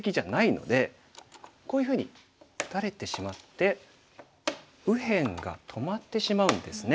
こういうふうに打たれてしまって右辺が止まってしまうんですね。